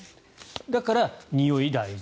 だから、におい、大事。